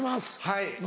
はい。